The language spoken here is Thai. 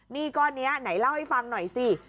หนี้ก้อนนี้ไหนเล่าให้ฟังหน่อยสิ